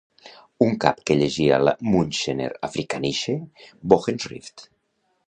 —un cap que llegia la Münchener Afrikanische Wochenschrift!